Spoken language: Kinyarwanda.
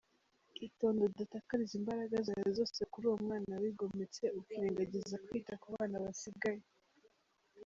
Itonde udatakariza imbaraga zawe zose kuri uwo mwana wigometse, ukirengagiza kwita ku bana basigaye.